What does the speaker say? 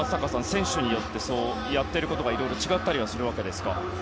選手によってやっていることが違ったりするわけですか。